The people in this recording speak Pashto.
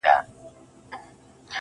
• درد وچاته نه ورکوي.